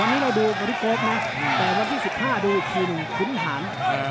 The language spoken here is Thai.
วันนี้เราดูบอดี้โกฟนะแต่วันที่๑๕ดูที๑ขุนหาญ